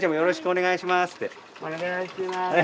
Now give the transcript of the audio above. お願いします。